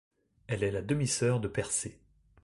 Elle est la demi-sœur de Persée.